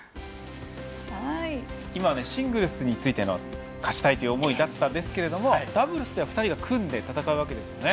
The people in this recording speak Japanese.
シングルスについての勝ちたいという思いだったんですがダブルスでは２人が組んで戦うわけですね。